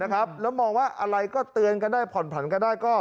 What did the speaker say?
แล้วมองว่าอะไรก็เตือนกันได้ผ่อนผันกันได้